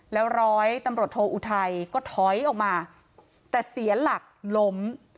แล้วร้อยตำรวจโทอุทัยก็ถอยออกมาแต่เสียหลักล้ม